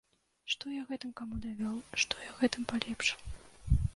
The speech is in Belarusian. Што я гэтым каму давёў, што я гэтым палепшыў?